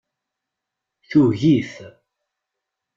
Tugi-t.